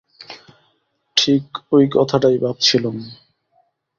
ঠিক ঐ কথাটাই ভাবছিলুম।